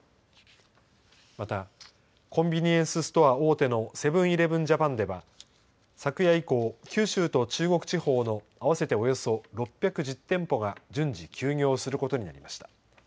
またコンビニエンスストア大手のセブン−イレブン・ジャパンでは昨夜以降九州と中国地方の合わせておよそ６１０店舗が順次、休業することになりました。